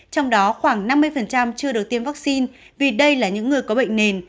trong đó khoảng năm mươi chưa được tiêm vaccine vì đây là những người có bệnh nền